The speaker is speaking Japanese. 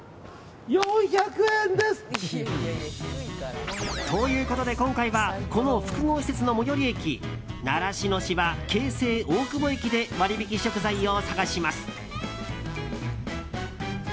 ４００円です。ということで今回はこの複合施設の最寄り駅習志野市は京成大久保駅で割引食材を探します。